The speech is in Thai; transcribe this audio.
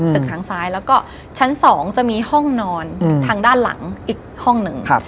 ทางซ้ายแล้วก็ชั้น๒จะมีห้องนอนทางด้านหลังอีกห้องหนึ่ง